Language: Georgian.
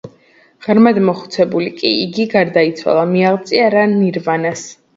ღრმად მოხუცებული კი იგი გარდაიცვალა, მიაღწია რა ნირვანას.